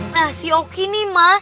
nah si oki nih ma